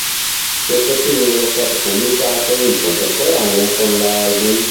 Questo singolo è stato pubblicato in contemporanea con l'album.